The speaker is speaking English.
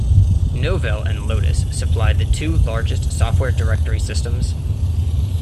Novell and Lotus supplied the two largest software directory systems.